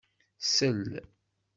Sell!